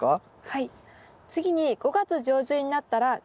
はい。